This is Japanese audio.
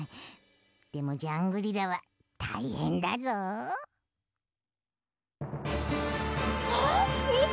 でもジャングリラはたいへんだぞ。あっみて！